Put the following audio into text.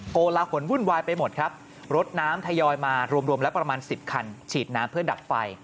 โกลาหลวุ่นวายไปหมดครับรถน้ำทยอยมารวมแล้วประมาณ๑๐คันฉีดน้ำเพื่อดับไฟ